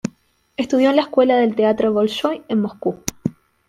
Estudió en la Escuela del Teatro Bolshói en Moscú.